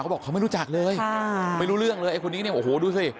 บอกเขาไม่รู้จักเลยไม่รู้เรื่องเลยไอ้คนนี้เนี่ยโอ้โหดูสิ